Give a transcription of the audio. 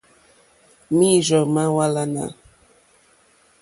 Mǐīrzɔ̀ má hwàlánà.